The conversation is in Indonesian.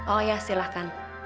oh ya silahkan